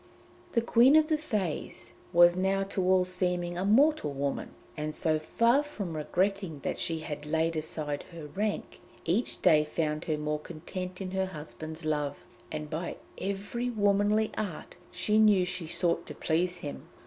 The Queen of the Fées was now to all seeming a mortal woman, and so far from regretting that she had laid aside her rank, each day found her more content in her husband's love, and by every womanly art she knew she sought to please him.